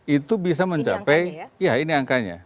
itu bisa mencapai ya ini angkanya